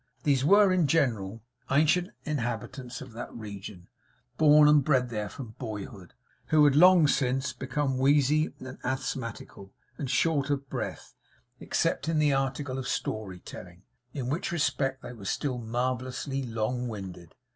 These were, in general, ancient inhabitants of that region; born, and bred there from boyhood, who had long since become wheezy and asthmatical, and short of breath, except in the article of story telling; in which respect they were still marvellously long winded.